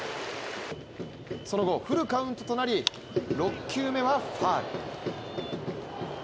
その後、フルカウントとなり６球目はファウル。